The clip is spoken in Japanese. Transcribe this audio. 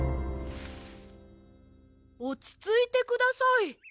おちついてください。